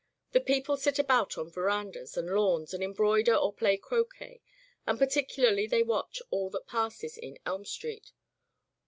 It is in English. The people sit about on verandas and lawns and embroider or play croquet, and particularly they watch all that passes in Ekn Street.